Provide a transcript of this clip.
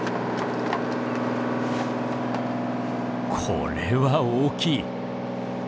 これは大きい！